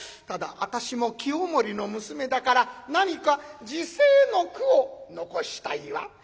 ただ私も清盛の娘だから何か辞世の句を残したいわ」。